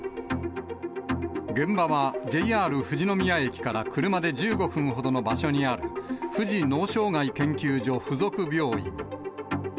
現場はＪＲ富士宮駅から車で１５分ほどの場所にある、富士脳障害研究所附属病院。